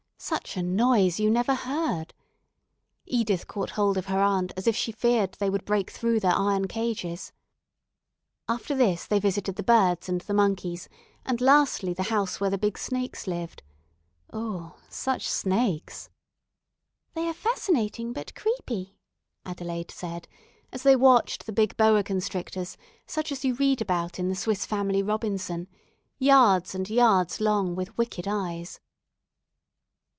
Such a noise, you never heard. Edith caught hold of her aunt as if she feared they would break through their iron cages. After this they visited the birds and the monkeys, and lastly the house where the big snakes lived. Oh, such snakes! "They are fascinating, but creepy," Adelaide said, as they watched the big boa constrictors, such as you read about in "The Swiss Family Robinson" yards and yards long, with wicked eyes.